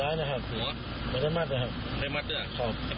วางพื้นสูริอาชิป